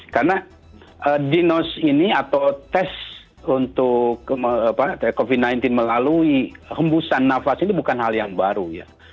karena dinos ini atau tes untuk covid sembilan belas melalui hembusan nafas ini bukan hal yang baru ya